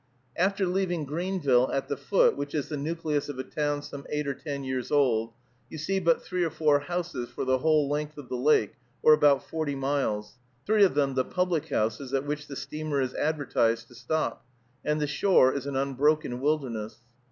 After leaving Greenville, at the foot, which is the nucleus of a town some eight or ten years old, you see but three or four houses for the whole length of the lake, or about forty miles, three of them the public houses at which the steamer is advertised to stop, and the shore is an unbroken wilderness.